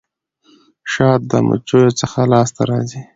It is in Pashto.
شات د مچيو څخه لاسته راځي.